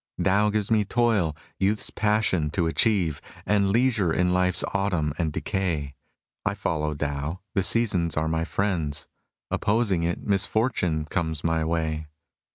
Tao gives me toil — ^youth's passion to achieve. And leisure in life's autumn and decay : I follow Tao, — the seasons are my friends ; Opposing it, misfortune comes my way.